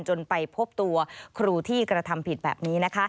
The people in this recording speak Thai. จนไปพบตัวครูที่กระทำผิดแบบนี้นะคะ